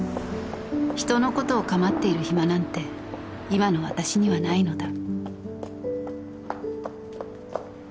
［人のことを構っている暇なんて今の私にはないのだ］